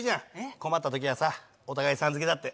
困った時はさお互い「さん」付けだって。